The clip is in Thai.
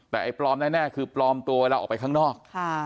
แต่ไอ้ปลอมแน่คือปลอมตัวเวลาออกไปข้างนอก